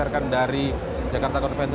thank you pak deddy